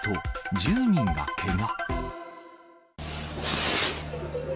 １０人がけが。